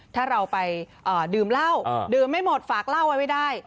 ถ้าเราไปดื่มเหล้าดื่มไม่หมดฝากเหล้าไว้ได้